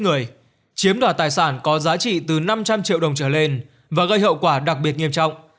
người chiếm đoạt tài sản có giá trị từ năm trăm linh triệu đồng trở lên và gây hậu quả đặc biệt nghiêm trọng